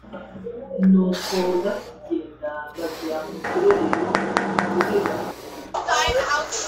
ni uko bakigenda bajya mu kirorero umugore barajyana